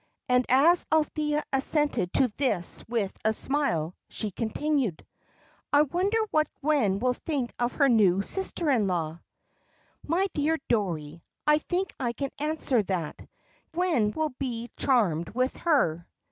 And as Althea assented to this with a smile, she continued, "I wonder what Gwen will think of her new sister in law?" "My dear Dorrie, I think I can answer that. Given will be charmed with her.